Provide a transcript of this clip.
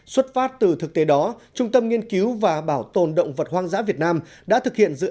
xuất phát từ thực tế đó trung tâm nghiên cứu và bảo tồn động vật hoang dã việt nam đã thực hiện dự